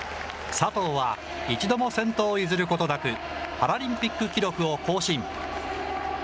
佐藤は一度も先頭を譲ることなく、パラリンピック記録を更新。